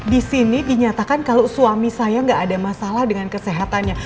disini dinyatakan kalau suami saya gak ada masalah dengan kesehatannya